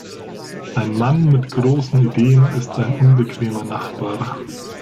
Ein Mann mit großen Ideen ist ein unbequemer Nachbar.